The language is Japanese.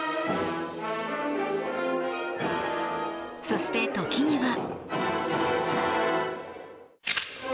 そして時には。